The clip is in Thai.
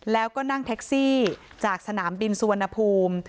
แล้วก็นั่งแท็กซี่จากสนามบินสุวรรณภูมิ